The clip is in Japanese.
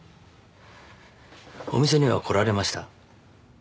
お店には来られました？